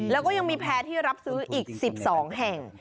แล้วก็ยังมีแพร่ที่รับซื้ออีก๑๒แห่ง